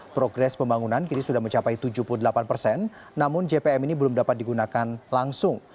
progres pembangunan kini sudah mencapai tujuh puluh delapan persen namun jpm ini belum dapat digunakan langsung